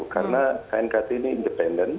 karena knkt ini independen